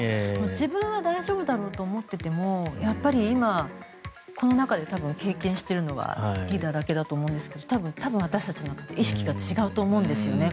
自分は大丈夫だろうと思っていてもやっぱり今この中で経験しているのはリーダーだけだと思うんですけど多分、私たちとは意識が違うと思うんですよね